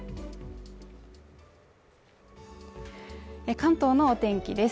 関東のお天気です。